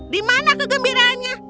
di mana kegembiranya